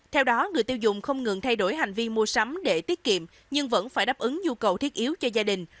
theo đó người tiêu dùng không ngừng thay đổi hành vi mua sắm để tiết kiệm nhưng vẫn phải đáp ứng nhu cầu thiết yếu cho gia đình